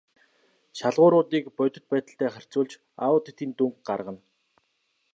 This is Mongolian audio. Шалгууруудыг бодит байдалтай харьцуулж аудитын дүнг гаргана.